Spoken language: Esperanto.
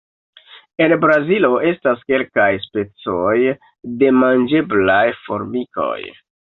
En Brazilo estas kelkaj specoj de manĝeblaj formikoj.